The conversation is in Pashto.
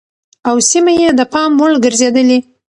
او سيمه يې د پام وړ ګرځېدلې